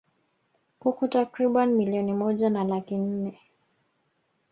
kuku takriban milioni moja na laki nne